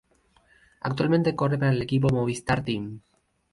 Actualmente corre para el equipo Movistar Team.